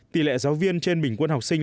tỷ lệ giáo viên trên bình quân học sinh